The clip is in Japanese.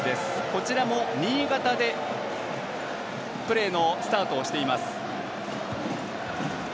こちらも新潟でプレーのスタートをしています。